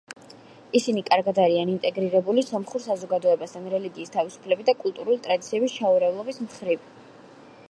ისინი კარგად არიან ინტეგრირებული სომხურ საზოგადოებასთან, რელიგიის თავისუფლებით და კულტურული ტრადიციების ჩაურევლობის მხრივ.